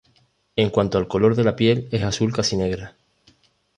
En cuanto al color de la piel es azul casi negra.